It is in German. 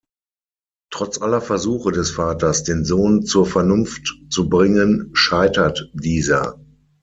Trotz aller Versuche des Vaters, den Sohn zur Vernunft zu bringen, scheitert dieser.